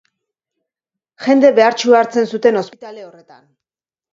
Jende behartsua hartzen zuten ospitale horretan.